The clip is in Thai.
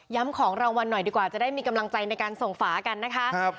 ของรางวัลหน่อยดีกว่าจะได้มีกำลังใจในการส่งฝากันนะคะ